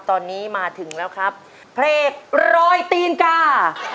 ตอนนี้มาถึงแล้วครับเพลงรอยตีนกา